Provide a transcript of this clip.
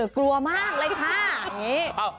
กลัวมากเลยค่ะอย่างนี้